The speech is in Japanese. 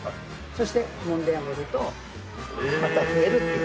そしてもんであげるとまた増えるっていう。